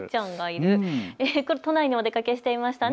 きょうは都内にお出かけしていましたね。